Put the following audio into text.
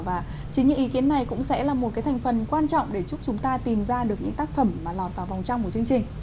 và chính những ý kiến này cũng sẽ là một cái thành phần quan trọng để giúp chúng ta tìm ra được những tác phẩm mà lọt vào vòng trong của chương trình